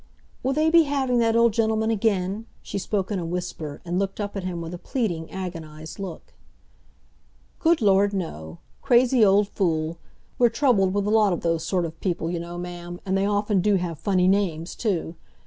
"Will they be having that old gentleman again?" she spoke in a whisper, and looked up at him with a pleading, agonised look. "Good Lord, no! Crazy old fool! We're troubled with a lot of those sort of people, you know, ma'am, and they often do have funny names, too.